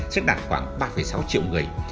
sẽ đạt khoảng ba sáu triệu người